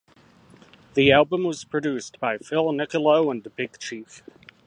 The album was produced by Phil Nicolo and Big Chief.